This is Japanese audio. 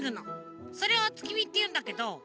それをおつきみっていうんだけど。